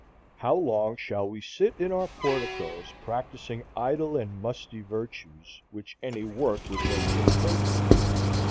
How long shall we sit in our porticoes practising idle and musty virtues, which any work would make impertinent?